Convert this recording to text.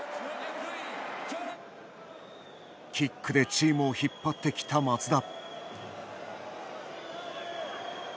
キックでチームを引っ張ってきた松田。